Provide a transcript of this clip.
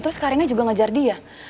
terus karinnya juga ngajar dia